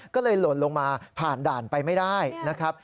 ก็เลยหล่นลงมาผ่านด่านไปไม่ได้นะครับ